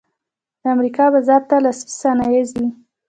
د امریکا بازار ته لاسي صنایع ځي